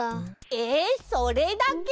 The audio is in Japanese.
ええそれだけ？